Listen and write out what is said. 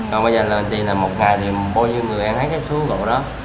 còn bây giờ làm gì là một ngày thì bao nhiêu người ăn hết cái số cổ đó